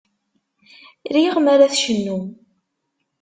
Riɣ mi ara tcennum.